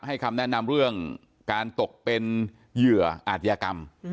คำแนะนำเรื่องการตกเป็นเหยื่ออาจยากรรม